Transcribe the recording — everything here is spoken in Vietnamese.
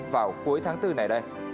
hội trợ lần này